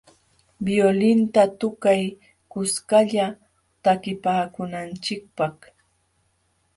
Violinta tukay kuskalla takipaakunanchikpaq.